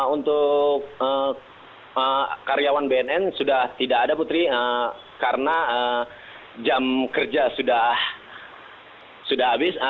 untuk karyawan bnn sudah tidak ada putri karena jam kerja sudah habis